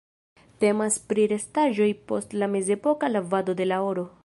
Temas pri restaĵoj post la mezepoka lavado de la oro.